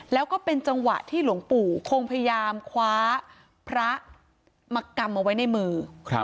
แล้วก็เป็นจังหวะที่หลวงปู่คงพยายามคว้าพระมากำเอาไว้ในมือ